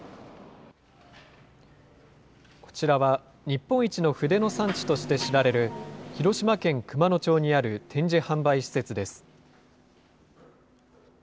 こちらは日本一の筆の産地として知られる広島県熊野町にある展示販売施設です。